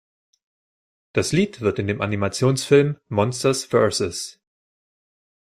Das Lied wird in dem Animationsfilm "Monsters vs.